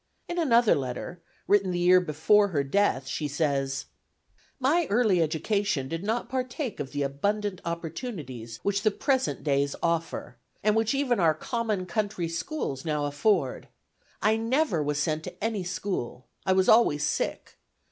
In another letter, written the year before her death, she says: "My early education did not partake of the abundant opportunities which the present days offer, and which even our common country schools now afford. I never was sent to any school. I was always sick.